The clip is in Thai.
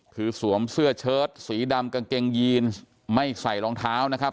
คือสวมเสื้อเชิดสีดำกางเกงยีนไม่ใส่รองเท้านะครับ